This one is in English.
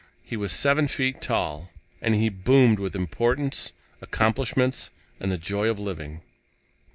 He was seven feet tall, and he boomed with importance, accomplishments, and the joy of living.